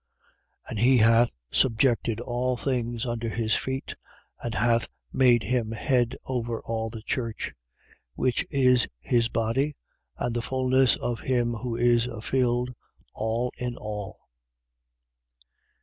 1:22. And he hath subjected all things under his feet and hath made him head over all the church, 1:23. Which is his body and the fulness of him who is filled all in all.